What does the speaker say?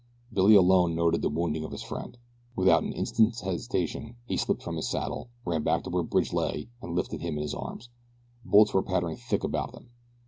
Billy alone noted the wounding of his friend. Without an instant's hesitation he slipped from his saddle, ran back to where Bridge lay and lifted him in his arms. Bullets were pattering thick about them.